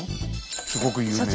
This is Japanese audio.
すごく有名な。